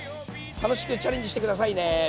楽しくチャレンジして下さいね。